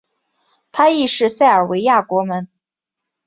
他亦是塞尔维亚国门。